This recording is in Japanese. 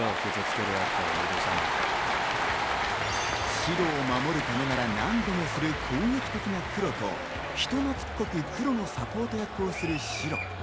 シロを守るためなら何でもする攻撃的なクロと人懐っこくクロのサポート役をするシロ。